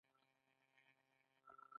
هلته درې لوی اداره کوونکي بانکونه وو